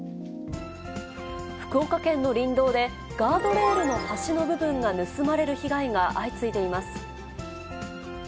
福岡県の林道で、ガードレールの端の部分が盗まれる被害が相次いでいます。